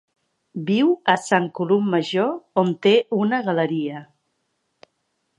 Viu a St Columb Major, on té una galeria.